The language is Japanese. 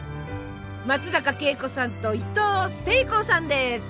松坂慶子さんといとうせいこうさんです。